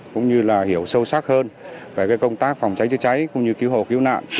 cũng như là hiểu sâu sắc hơn về công tác phòng cháy chữa cháy cũng như cứu hộ cứu nạn